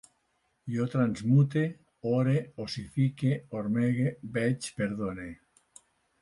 Jo transmute, ore, ossifique, ormege, veig, perdone